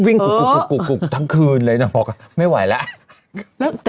เออวิ่งกุกทั้งคืนเลยนะบอกว่าไม่ไหวแล้ว